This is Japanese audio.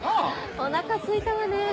お腹すいたわね。